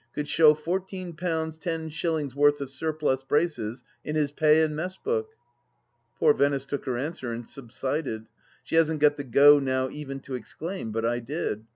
could show fourteen pounds ten shillings worth of surplus braces in his pay and mess book ?"^ Poor Venice took her answer, and subsided — she hasn't got the go now even to exclaim, but I did.